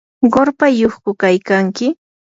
¿qurpayyuqku kaykanki?